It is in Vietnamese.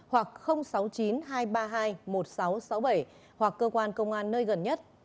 hoặc sáu mươi chín hai trăm ba mươi hai một nghìn sáu trăm sáu mươi bảy hoặc cơ quan công an nơi gần nhất